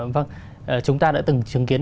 vâng chúng ta đã từng chứng kiến